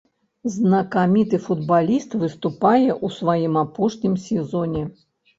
Знакаміты футбаліст выступае ў сваім апошнім сезоне.